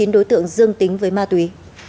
hai mươi chín đối tượng dương tính với ma túy